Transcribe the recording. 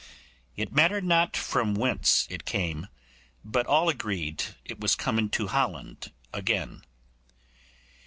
It mattered not from whence it came; but all agreed it was come into Holland again.